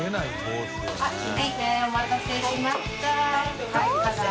呂お待たせしました。